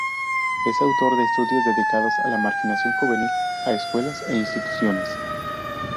Es autor de estudios dedicados a la marginación juvenil, a escuelas e instituciones.